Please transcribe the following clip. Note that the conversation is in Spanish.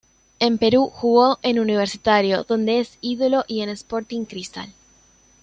En Perú jugó en Universitario donde es ídolo y en Sporting Cristal.